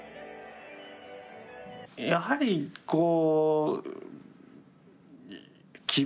やはりこう。